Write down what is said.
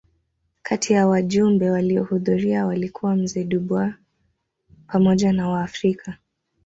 Kati ya wajumbe waliohudhuria walikuwa mzee Dubois pamoja na Waafrika